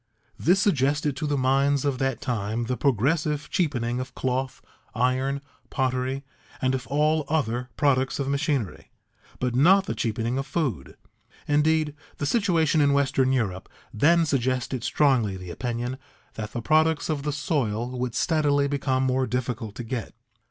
This suggested to the minds of that time the progressive cheapening of cloth, iron, pottery, and of all other products of machinery, but not the cheapening of food. Indeed, the situation in western Europe then suggested strongly the opinion that the products of the soil would steadily become more difficult to get.